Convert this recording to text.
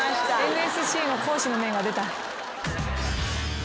ＮＳＣの講師の面が出た。